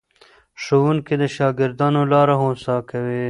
ښوونکي د شاګردانو لاره هوسا کوي.